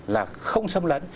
là không xâm lấn